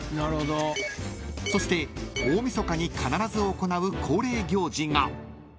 ［そして大晦日に必ず行う恒例行事が］